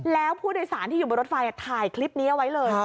แล้วผู้โดยสารที่อยู่บนรถไฟถ่ายคลิปนี้เอาไว้เลย